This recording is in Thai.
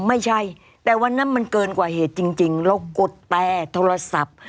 ไม่ใช่แต่วันนั้นมันเกินกว่าเหตุจริงเรากดแต่โทรศัพท์